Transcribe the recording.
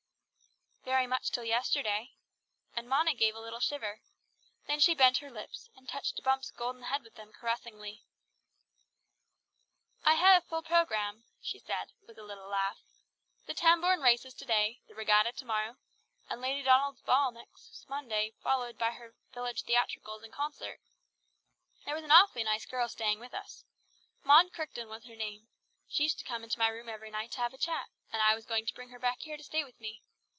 "Very much till yesterday," and Mona gave a little shiver. Then she bent her lips, and touched Bumps' golden head with them caressingly. "I had a full programme," she said with a little laugh. "The Tambourne Races to day, the Regatta to morrow, and Lady Donald's ball next Monday, followed by her village theatricals and concert. There was an awfully nice girl staying with us. Maud Crichton was her name. She used to come into my room every night to have a chat, and I was going to bring her back here to stay with me.